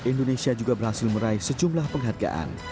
dan indonesia juga berhasil meraih sejumlah penghargaan